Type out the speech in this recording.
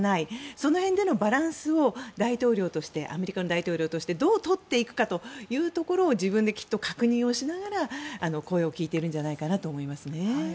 その辺でのバランスをアメリカの大統領としてどう取っていくかというところを自分できっと確認をしながら声を聞いているんじゃないかと思います。